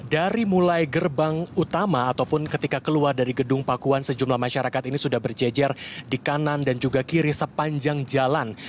dari mulai gerbang utama ataupun ketika keluar dari gedung pakuan sejumlah masyarakat ini sudah berjejer di kanan dan juga kiri sepanjang jalan